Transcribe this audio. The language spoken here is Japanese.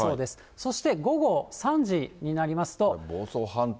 そして午後３時になりますと。